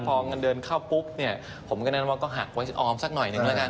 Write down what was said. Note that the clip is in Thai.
พอเงินเดินเข้าปุ๊บผมก็แนะนำว่าก็หักไว้ออมสักหน่อยหนึ่ง